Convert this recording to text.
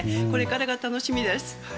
これからが楽しみです。